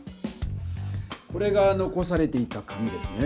これがのこされていた紙ですね。